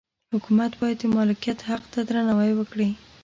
حکومت باید د مالکیت حق ته درناوی وکړي.